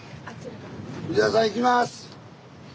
藤原さん行きます。